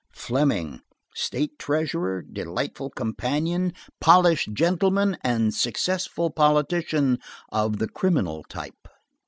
Fleming, state treasurer, delightful companion, polished gentleman and successful politician of the criminal type.